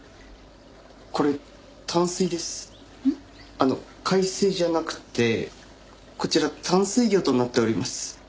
あの海水じゃなくてこちら淡水魚となっております。